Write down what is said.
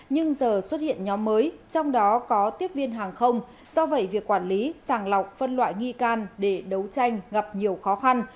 nhưng giờ xuất hiện nhóm mới trong đó có tiếp viên hàng không do vậy việc quản lý sàng lọc phân loại nghi can để đấu tranh gặp nhiều khó khăn